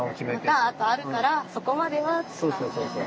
またあとあるからそこまではとか。